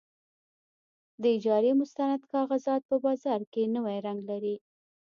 د اجارې مستند کاغذات په بازار کې نوی رنګ لري.